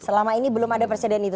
selama ini belum ada presiden itu